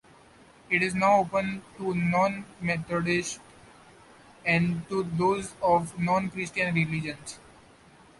It is now open to non-Methodists and to those of non-Christian religions.